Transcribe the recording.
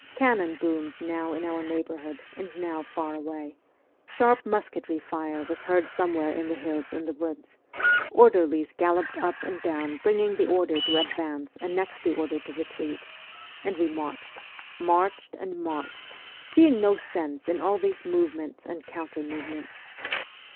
Cannon boomed now in our neighbourhood and now far away : sharp musketry fire was heard somewhere in the hills and the woods ; orderlies galloped up and down bringing the order to advance and next the order to retreat and we marched, marched, and marched, seeing no sense in all these movements and counter movements.